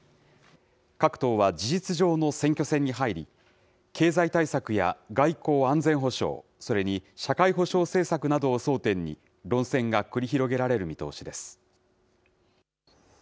各党は事実上の選挙戦に入り、経済対策や外交・安全保障、それに社会保障政策などを争点に、論戦が繰り広げられる見通しです。